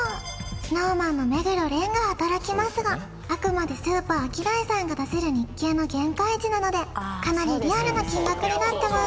ＳｎｏｗＭａｎの目黒蓮が働きますがあくまでスーパーアキダイさんが出せる日給の限界値なのでかなりリアルな金額になってます